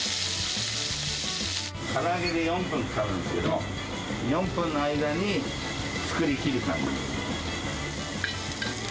から揚げで４分かかるんですけど、４分の間に作りきる感じ。